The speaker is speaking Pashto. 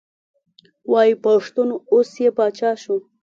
وایي پښتون اوس یې پاچا شو.